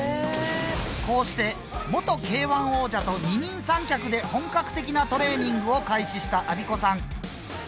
こうして元Ｋ−１王者と二人三脚で本格的なトレーニングを開始したアビコさん。